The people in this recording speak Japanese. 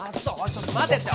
ちょっと待てって！